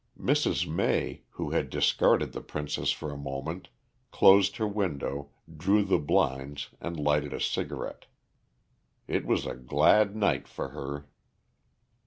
Mrs. May, who had discarded the princess for a moment, closed her window, drew the blinds and lighted a cigarette. It was a glad night for her.